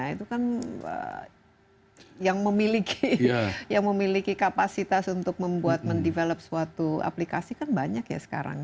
itu kan yang memiliki kapasitas untuk membuat mendevelop suatu aplikasi kan banyak ya sekarang